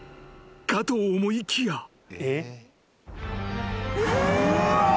［かと思いきや］